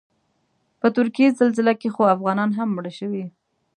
په ترکیې زلزله کې خو افغانان هم مړه شوي.